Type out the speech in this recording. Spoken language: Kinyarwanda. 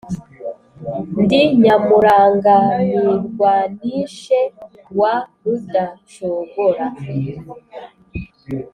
Ndi Nyamurangamirwanishe wa Rudacogora